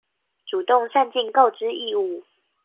主動善盡告知義務